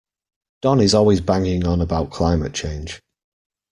Don is always banging on about climate change.